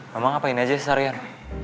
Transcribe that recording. mama ngapain aja sarian